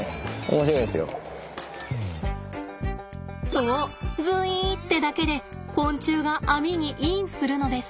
そうズイーってだけで昆虫が網にインするのです。